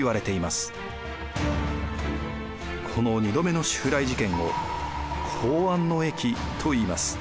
この２度目の襲来事件を弘安の役といいます。